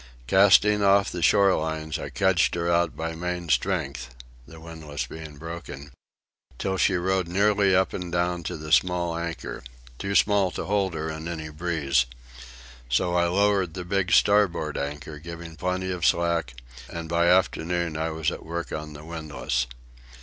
Casting off the shore lines, I kedged her out by main strength (the windlass being broken), till she rode nearly up and down to the small anchor—too small to hold her in any breeze. So I lowered the big starboard anchor, giving plenty of slack; and by afternoon I was at work on the windlass.